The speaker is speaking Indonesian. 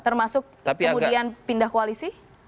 termasuk kemudian pindah koalisi